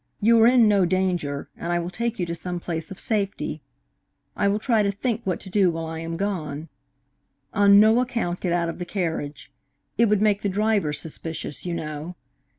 You are in no danger, and I will take you to some place of safety. I will try to think what to do while I am gone. On no account get out of the carriage. It would make the driver suspicious, you know.